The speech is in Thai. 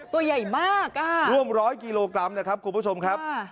ตัวใหญ่มากอ่ะร่วมร้อยกิโลกรัมนะครับคุณผู้ชมครับ